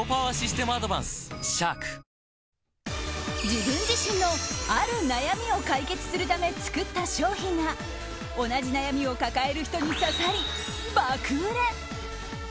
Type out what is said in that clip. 自分自身の、ある悩みを解決するため作った商品が同じ悩みをかける人に刺さり爆売れ！